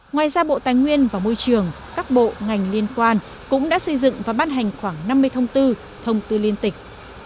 ngoài ra bộ tài nguyên và môi trường các bộ ngành liên quan cũng đã xây dựng và ban hành khoảng năm mươi thông tư thông tư liên tịch